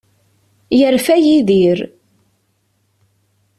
Yerfa Yidir.